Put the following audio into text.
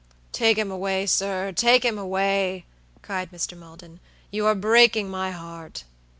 "Take him away, sirtake him away," cried Mr. Maldon; "you are breaking my heart."